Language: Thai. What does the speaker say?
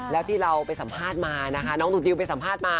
แล้วที่เราไปสัมภาษณ์มานะคะน้องหนูดิวไปสัมภาษณ์มา